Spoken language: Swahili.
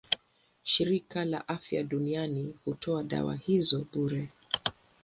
Shirika la Afya Duniani hutoa dawa hizo bure.